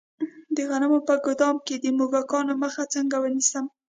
د غنمو په ګدام کې د موږکانو مخه څنګه ونیسم؟